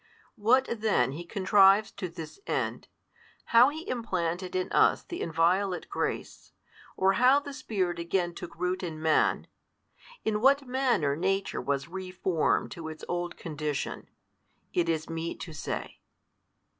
What then He contrives to this end, how He implanted in us the inviolate grace, or how the Spirit again took root in man, |142 in what manner nature was re formed to its old condition, it is meet to say.